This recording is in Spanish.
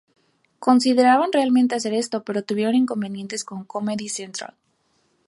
Consideraban realmente hacer esto pero tuvieron inconvenientes con Comedy Central.